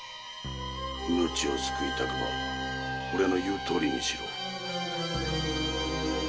命を救いたくば俺の言うとおりにしろ。